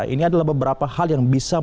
ini adalah beberapa hal yang bisa